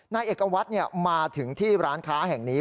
นายเอกวัตรมาถึงที่ร้านค้าแห่งนี้